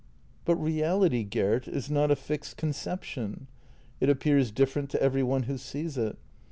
" But reality, Gert, is not a fixed conception. It appears different to every one who sees it.